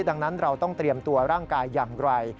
ดังนั้นเราต้องเตรียมตัวร่างกายอย่างไร